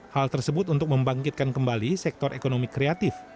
hal tersebut untuk membangkitkan kembali sektor ekonomi kreatif